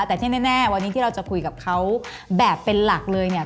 แต่ที่แน่วันนี้ที่เราจะคุยกับเขาแบบเป็นหลักเลยเนี่ย